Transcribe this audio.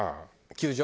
球場？